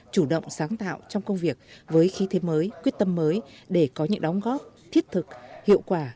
chủ động sáng tạo trong công việc với khí thế mới quyết tâm mới để có những đóng góp thiết thực hiệu quả